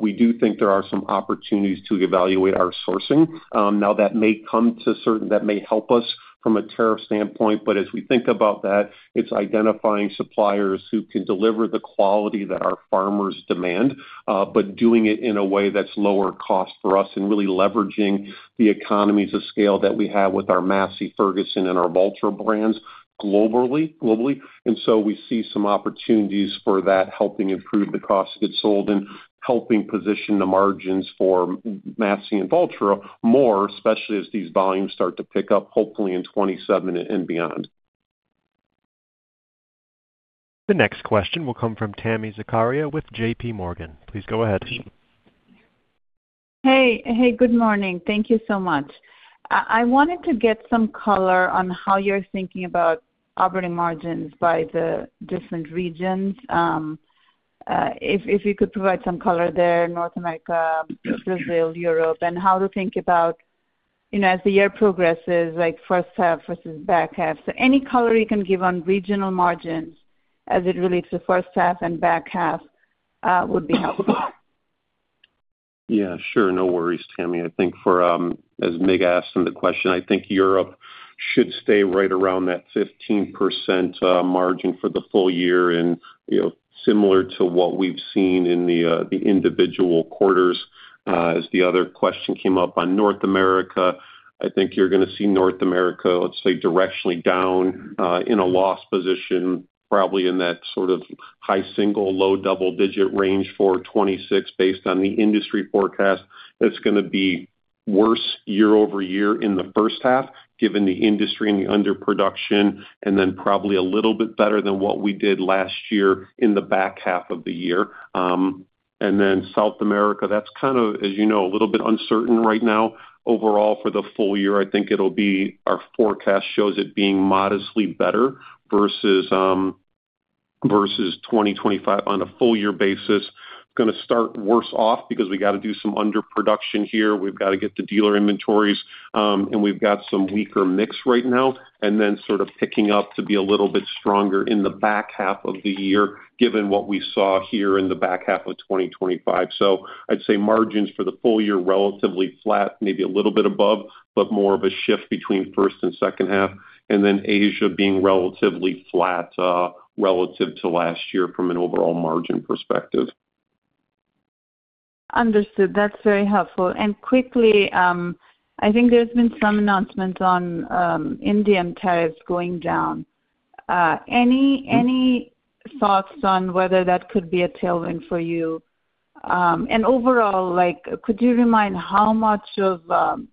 we do think there are some opportunities to evaluate our sourcing. Now that may help us from a tariff standpoint, but as we think about that, it's identifying suppliers who can deliver the quality that our farmers demand, but doing it in a way that's lower cost for us and really leveraging the economies of scale that we have with our Massey Ferguson and our Valtra brands globally, globally. And so we see some opportunities for that, helping improve the cost of goods sold and helping position the margins for Massey and Valtra more, especially as these volumes start to pick up, hopefully in 2027 and beyond. The next question will come from Tami Zakaria with J.P. Morgan. Please go ahead. Hey. Hey, good morning. Thank you so much. I wanted to get some color on how you're thinking about operating margins by the different regions. If you could provide some color there, North America, Brazil, Europe, and how to think about, you know, as the year progresses, like first half versus back half. So any color you can give on regional margins as it relates to first half and back half, would be helpful. Yeah, sure. No worries, Tami. I think for, as Micrea asked in the question, I think Europe should stay right around that 15% margin for the full year and, you know, similar to what we've seen in the, the individual quarters. As the other question came up on North America, I think you're gonna see North America, let's say, directionally down, in a loss position, probably in that sort of high single-digit, low double-digit range for 2026, based on the industry forecast. That's gonna be worse year-over-year in the first half, given the industry and the underproduction, and then probably a little bit better than what we did last year in the back half of the year. And then South America, that's kind of, as you know, a little bit uncertain right now. Overall, for the full year, I think it'll be, our forecast shows it being modestly better versus, versus 2025 on a full year basis. Gonna start worse off because we got to do some underproduction here. We've got to get the dealer inventories, and we've got some weaker mix right now, and then sort of picking up to be a little bit stronger in the back half of the year, given what we saw here in the back half of 2025. So I'd say margins for the full year, relatively flat, maybe a little bit above, but more of a shift between first and second half, and then Asia being relatively flat, relative to last year from an overall margin perspective. Understood. That's very helpful. And quickly, I think there's been some announcements on Indian tariffs going down. Any thoughts on whether that could be a tailwind for you? And overall, like, could you remind how much of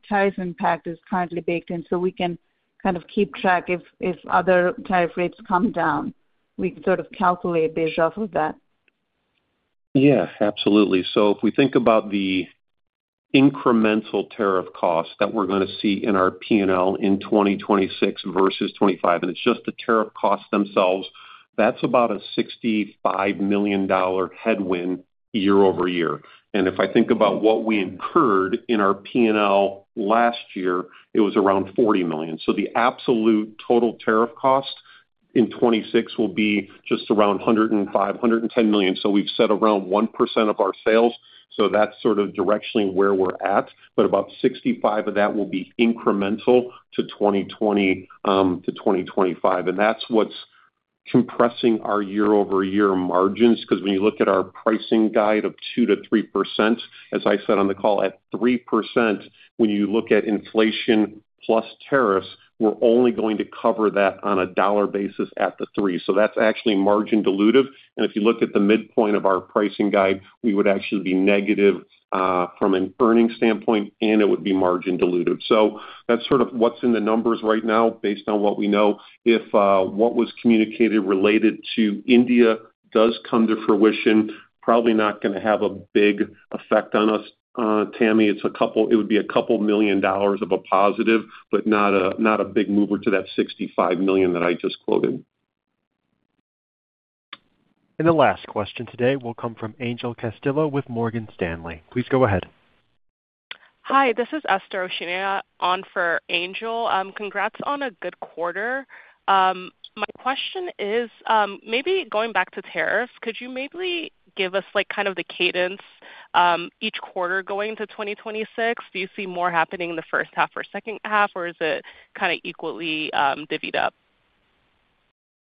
tariff impact is currently baked in so we can kind of keep track if other tariff rates come down, we can sort of calculate the shift of that? Yeah, absolutely. So if we think about the incremental tariff costs that we're gonna see in our P&L in 2026 versus 2025, and it's just the tariff costs themselves, that's about a $65 million headwind year over year. And if I think about what we incurred in our P&L last year, it was around $40 million. So the absolute total tariff cost in 2026 will be just around $105-$110 million. So we've set around 1% of our sales, so that's sort of directionally where we're at, but about 65 of that will be incremental to 2025. And that's what's compressing our year-over-year margins, 'cause when you look at our pricing guide of 2%-3%, as I said on the call, at 3%, when you look at inflation plus tariffs, we're only going to cover that on a dollar basis at the 3%. So that's actually margin dilutive. And if you look at the midpoint of our pricing guide, we would actually be negative from an earnings standpoint, and it would be margin dilutive. So that's sort of what's in the numbers right now based on what we know. If what was communicated related to India does come to fruition, probably not gonna have a big effect on us, Tami. It would be a couple million dollars of a positive, but not a big mover to that $65 million that I just quoted. The last question today will come from Angel Castillo with Morgan Stanley. Please go ahead. Hi, this is Esther Osinaiya on for Angel. Congrats on a good quarter. My question is, maybe going back to tariffs, could you maybe give us, like, kind of the cadence each quarter going to 2026? Do you see more happening in the first half or second half, or is it kind of equally divvied up?...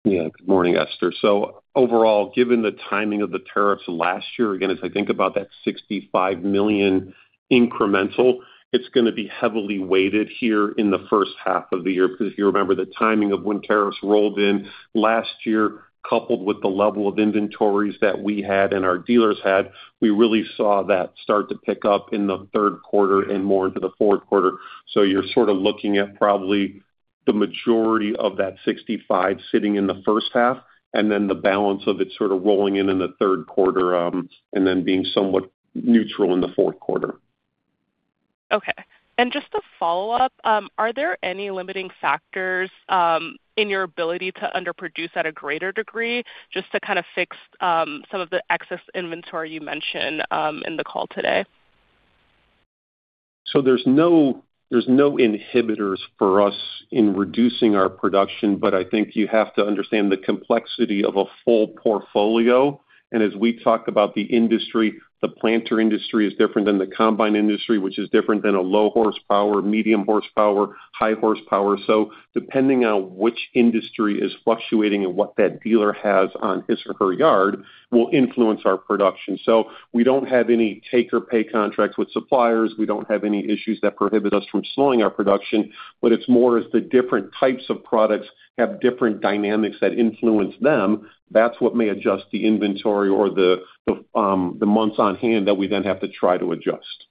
Yeah, good morning, Esther. So overall, given the timing of the tariffs last year, again, as I think about that $65 million incremental, it's gonna be heavily weighted here in the first half of the year. Because if you remember, the timing of when tariffs rolled in last year, coupled with the level of inventories that we had and our dealers had, we really saw that start to pick up in the third quarter and more into the fourth quarter. So you're sort of looking at probably the majority of that $65 million sitting in the first half, and then the balance of it sort of rolling in in the third quarter, and then being somewhat neutral in the fourth quarter. Okay. Just to follow up, are there any limiting factors in your ability to underproduce at a greater degree, just to kind of fix some of the excess inventory you mentioned in the call today? So there's no inhibitors for us in reducing our production, but I think you have to understand the complexity of a full portfolio. And as we talk about the industry, the planter industry is different than the combine industry, which is different than a low horsepower, medium horsepower, high horsepower. So depending on which industry is fluctuating and what that dealer has on his or her yard, will influence our production. So we don't have any take or pay contracts with suppliers. We don't have any issues that prohibit us from slowing our production, but it's more as the different types of products have different dynamics that influence them. That's what may adjust the inventory or the months on hand that we then have to try to adjust.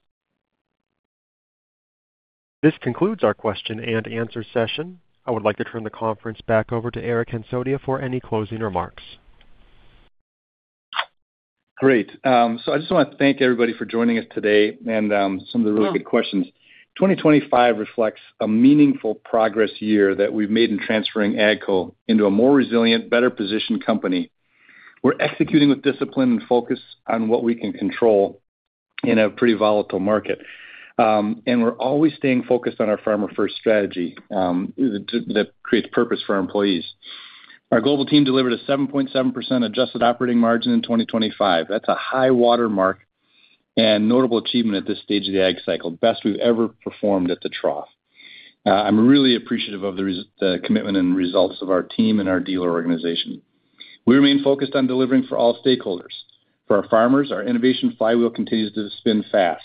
This concludes our question and answer session. I would like to turn the conference back over to Eric Hansotia for any closing remarks. Great. So I just want to thank everybody for joining us today and some of the really good questions. 2025 reflects a meaningful progress year that we've made in transferring AGCO into a more resilient, better positioned company. We're executing with discipline and focus on what we can control in a pretty volatile market. And we're always staying focused on our farmer-first strategy that creates purpose for our employees. Our global team delivered a 7.7% adjusted operating margin in 2025. That's a high watermark and notable achievement at this stage of the ag cycle, best we've ever performed at the trough. I'm really appreciative of the commitment and results of our team and our dealer organization. We remain focused on delivering for all stakeholders. For our farmers, our innovation flywheel continues to spin fast,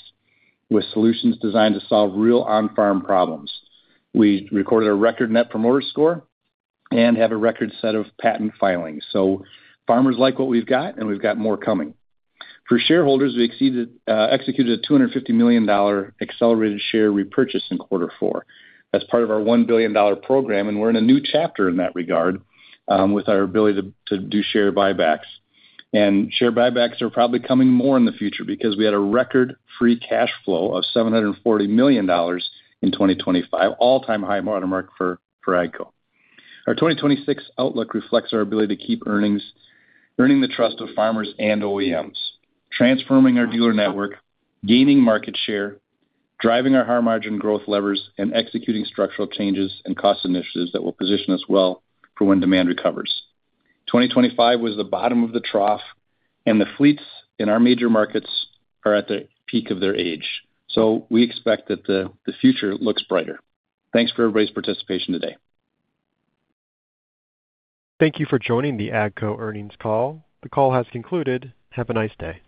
with solutions designed to solve real on-farm problems. We recorded a record Net Promoter Score and have a record set of patent filings. So farmers like what we've got, and we've got more coming. For shareholders, we executed a $250 million accelerated share repurchase in quarter four. That's part of our $1 billion program, and we're in a new chapter in that regard, with our ability to do share buybacks. And share buybacks are probably coming more in the future because we had a record free cash flow of $740 million in 2025, all-time high watermark for AGCO. Our 2026 outlook reflects our ability to keep earnings, earning the trust of farmers and OEMs, transforming our dealer network, gaining market share, driving our high-margin growth levers, and executing structural changes and cost initiatives that will position us well for when demand recovers. 2025 was the bottom of the trough, and the fleets in our major markets are at the peak of their age, so we expect that the future looks brighter. Thanks for everybody's participation today. Thank you for joining the AGCO earnings call. The call has concluded. Have a nice day.